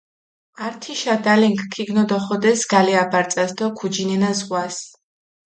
ართიშა დალენქ ქიგნოდოხოდეს გალე აბარწას დო ქუჯინენა ზღვას.